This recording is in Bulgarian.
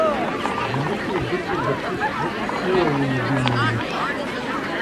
Жените обичат да чувствуват сила у любимия мъж.